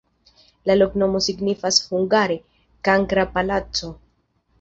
La loknomo signifas hungare: kankra-palaco.